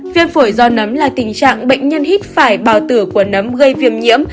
viêm phổi do nấm là tình trạng bệnh nhân hít phải bào tử quần nấm gây viêm nhiễm